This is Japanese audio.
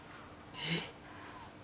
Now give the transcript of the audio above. えっ。